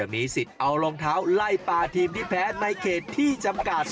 มีสิทธิ์เอารองเท้าไล่ปลาทีมที่แพ้ในเขตที่จำกัด